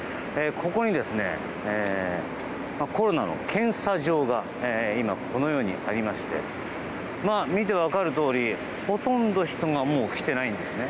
ここにですねコロナの検査場が今、このようにありまして見て分かるとおりほとんど人がもう来てないんですよね。